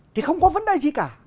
thì không có vấn đề gì cả